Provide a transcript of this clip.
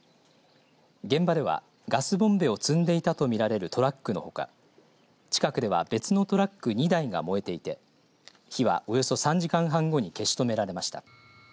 現場では、ガスボンベを積んでいたと見られるトラックのほか近くでは別のトラック２台が燃えていて火はおよそ３時間半後に消し止められました。